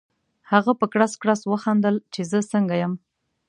هغه په کړس کړس وخندل چې زه څنګه یم؟